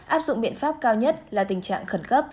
áp dụng biện pháp cao nhất là tình trạng khẩn cấp